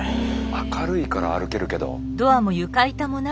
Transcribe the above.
明るいから歩けるけど。